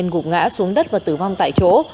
gục ngã xuống đất và tử vong tại chỗ